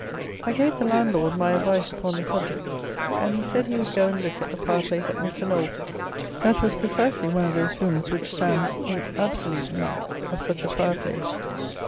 I gave the landlord my advice upon the subject, and he said he would go and look at the fire place at Mr. Knowles's. That was precisely one of those rooms which stand in absolute need of such a fire place.